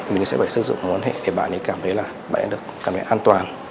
mình sẽ phải xây dựng mối ấn hệ để bạn ấy cảm thấy là bạn ấy được cảm thấy an toàn